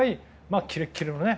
キレキレのね